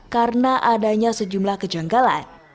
karena adanya sejumlah kejanggalan